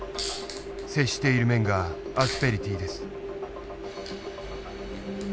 接している面がアスペリティーです。